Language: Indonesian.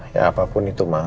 ya apapun itu ma